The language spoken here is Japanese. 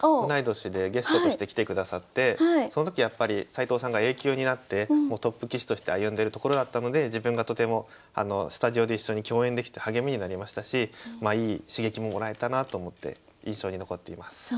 同い年でゲストとして来てくださってその時やっぱり斎藤さんがＡ級になってトップ棋士として歩んでるところだったので自分がとてもスタジオで一緒に共演できて励みになりましたしいい刺激ももらえたなと思って印象に残っています。